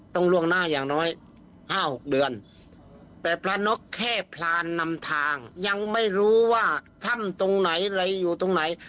ล่วงหน้าอย่างน้อย๕๖เดือนแต่พระนกแค่พลานนำทางยังไม่รู้ว่าถ้ำตรงไหนอะไรอยู่ตรงไหน